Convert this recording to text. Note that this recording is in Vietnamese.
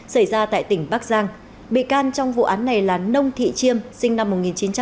xảy ra tại tỉnh bắc giang bị can trong vụ án này là nông thị chiêm sinh năm một nghìn chín trăm tám mươi